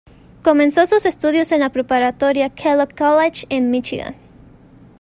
Comenzó sus estudios en la preparatoria Kellogg College en Míchigan.